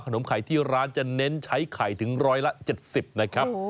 นมไข่ที่ร้านจะเน้นใช้ไข่ถึง๑๗๐นะครับ